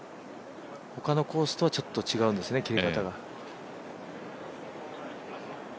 他のコースとはちょっと違うんですね、切れ方が。